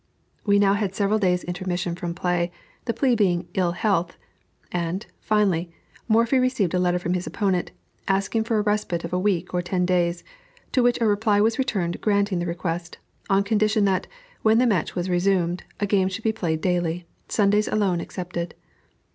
We now had several days' intermission from play, the plea being "ill health;" and, finally, Morphy received a letter from his opponent, asking for a respite of a week or ten days, to which a reply was returned granting the request, on condition that, when the match was resumed, a game should be played daily, Sundays alone excepted.